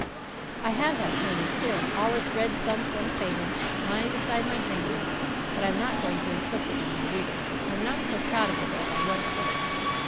I have that sermon still, all its red thumps unfaded, lying beside my dream book; but I am not going to inflict it on my readers. I am not so proud of it as I once was.